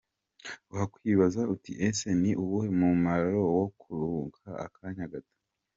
Wakwibaza uti ese ni uwuhe mumaro wo kuruhuka akanya gato?.